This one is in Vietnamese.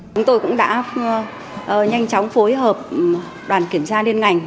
chúng tôi cũng đã nhanh chóng phối hợp đoàn kiểm tra liên ngành